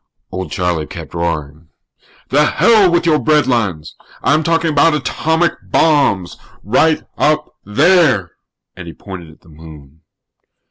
Old Charlie kept roaring: "The hell with your breadlines! I'm talking about atomic bombs. Right up there!" And he pointed at the Moon.